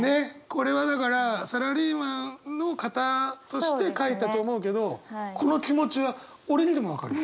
これはだからサラリーマンの方として書いたと思うけどこの気持ちは俺にでも分かる。